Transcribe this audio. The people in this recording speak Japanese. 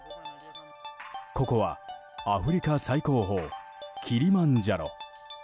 ここはアフリカ最高峰キリマンジャロ。